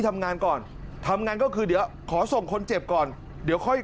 ทำงานก่อนทำงานก็คือเดี๋ยวขอส่งคนเจ็บก่อนเดี๋ยวค่อย